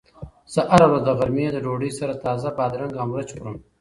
زه هره ورځ د غرمې د ډوډۍ سره تازه بادرنګ او مرچ خورم.